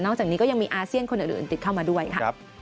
จากนี้ก็ยังมีอาเซียนคนอื่นติดเข้ามาด้วยค่ะ